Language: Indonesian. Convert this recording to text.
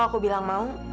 kalau aku bilang mau